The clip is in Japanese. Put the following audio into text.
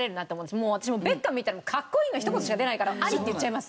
もう私ベッカム見たらかっこいいの一言しか出ないからアリって言っちゃいます。